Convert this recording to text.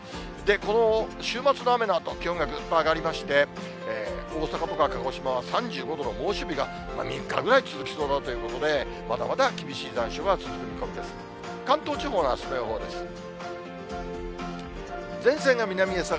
この週末の雨のあと、気温がぐっと上がりまして、大阪とか鹿児島は３５度の猛暑日が３日ぐらい続きそうだということで、まだまだ厳しい残暑が続く見込みです。